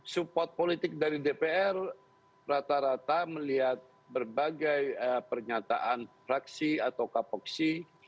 support politik dari dpr rata rata melihat berbagai pernyataan fraksi atau kapoksi